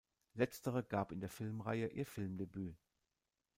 Letztere gab in der Filmreihe ihr Filmdebüt.